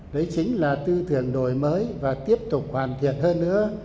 đấy chính là tư tưởng đổi mới và tiếp tục hoàn thiện hơn nữa